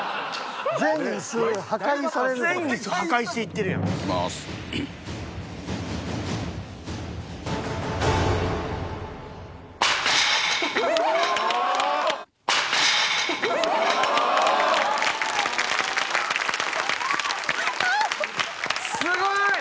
すごい！